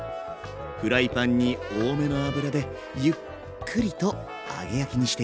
フライパンに多めの油でゆっくりと揚げ焼きにしていくんだ。